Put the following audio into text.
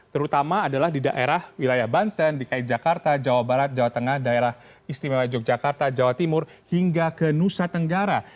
terutama adalah di daerah wilayah banten dki jakarta jawa barat jawa tengah daerah istimewa yogyakarta jawa timur hingga ke nusa tenggara